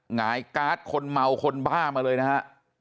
หงายการ์ดคนเมาคนบ้ามาเลยนะฮะ